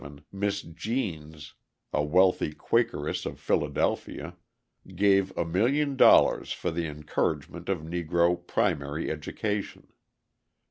In 1907 Miss Jeanes, a wealthy Quakeress of Philadelphia, gave $1,000,000 for the encouragement of Negro primary education.